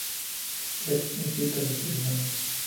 La canción explica lo que es el amor.